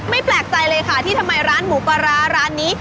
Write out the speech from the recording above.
แปลกใจเลยค่ะที่ทำไมร้านหมูปลาร้าร้านนี้